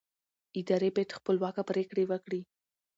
ادارې باید خپلواکه پرېکړې وکړي